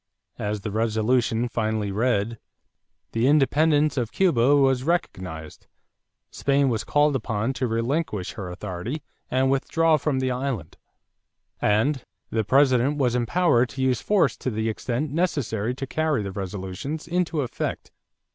As the resolution finally read, the independence of Cuba was recognized; Spain was called upon to relinquish her authority and withdraw from the island; and the President was empowered to use force to the extent necessary to carry the resolutions into effect.